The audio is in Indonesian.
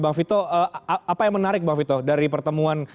bang vito apa yang menarik bang vito dari pertemuan